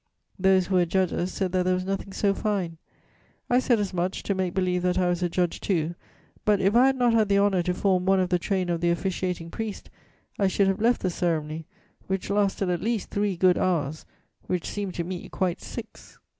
Those who were judges said that there was nothing so fine. I said as much, to make believe that I was a judge too; but, if I had not had the honour to form one of the train of the officiating priest, I should have left the ceremony, which lasted at least three good hours, which seemed to me quite six."